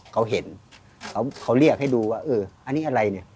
เขาเห็นเขาเรียกให้ดูว่าเอออันนี้อะไรเนี่ย